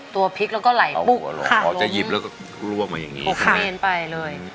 ตัวพริกแล้วก็ไหล่ปุ๊บขาดลงอ๋อจะหยิบแล้วก็ร่วมมาอย่างนี้โอเค